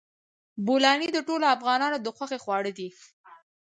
بولاني د ټولو افغانانو د خوښې خواړه دي.